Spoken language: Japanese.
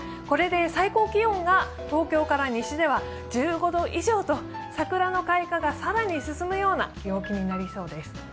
これで最高気温が東京から西では１５度以上と、桜の開花が更に進むような陽気になりそうです。